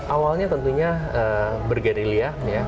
awalnya tentunya bergerilya